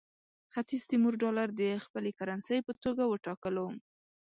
ختیځ تیمور ډالر د خپلې کرنسۍ په توګه وټاکلو.